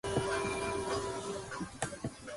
A pesar de ello, se vuelve a clasificar sub-campeón.